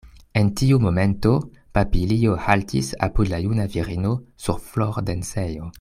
En tiu momento papilio haltis apud la juna virino sur flordensejo.